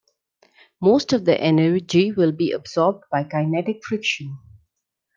Most of the energy will be absorbed by kinetic friction.